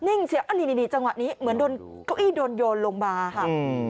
นิ่งใช่ะนี่อยู่จังหวะนี้เหมือนกระอี้โดนโยนมาค่ะ